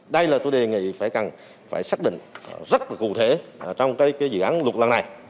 đây là tôi đề nghị phải xác định rất cụ thể trong cái dự án luật lần này